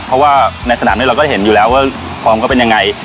เพราะว่าในสนามนี้เราก็เห็นอยู่แล้วว่าฟอร์มก็เป็นยังไง